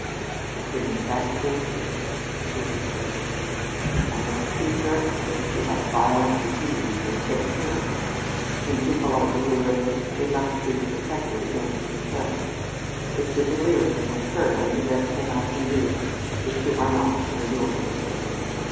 "It's an infatuation," she concluded. "I must treat her as if she had a violent disease and take care of her. When people are delirious they must be protected against themselves. It's a delirium with her, and the best thing I can do is to run off to New York with her.